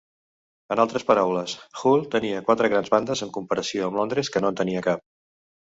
En altres paraules, Hull tenia quatre grans bandes, en comparació amb Londres que no en tenia cap.